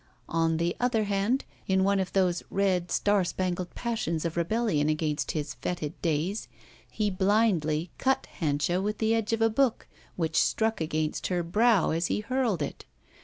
On the other hand, in one of those red star spangled passions of rebellion against his fetid days, he blindly cut Hanscha with the edge of a book which struck against her brow as he hurled it.